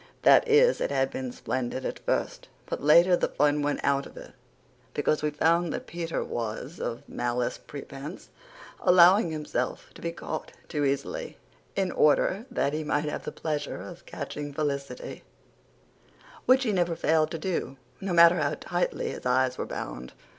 That is, it had been splendid at first; but later the fun went out of it because we found that Peter was, of malice prepense, allowing himself to be caught too easily, in order that he might have the pleasure of catching Felicity which he never failed to do, no matter how tightly his eyes were bound.